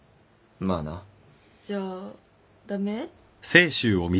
じゃあ駄目？